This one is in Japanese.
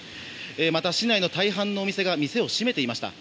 また市内の大半のお店が店を閉めていました。